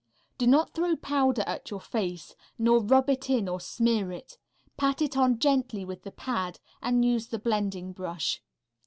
Do not throw powder at your face, nor rub it in or smear it. Pat it on gently with the pad and use the blending brush.